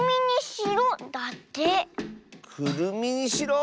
「くるみにしろ」？